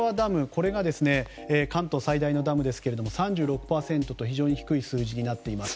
これが関東最大のダムですが３６％と非常に低い数字になっています。